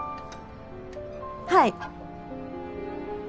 はい。